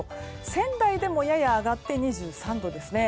仙台でもやや上がって２３度ですね。